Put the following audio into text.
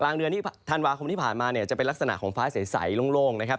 เดือนที่ธันวาคมที่ผ่านมาเนี่ยจะเป็นลักษณะของฟ้าใสโล่งนะครับ